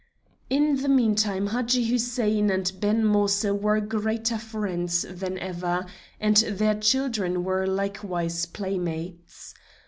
In the meantime Hadji Hussein and Ben Moïse were greater friends than ever, and their children were likewise playmates.